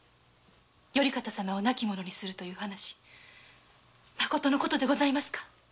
頼方様を亡き者にするまことの事でございますか？